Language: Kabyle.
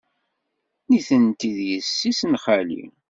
Nitenti d yessi-s n xali.